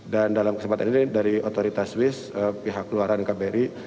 dan dalam kesempatan ini dari otoritas swiss pihak keluaran kbr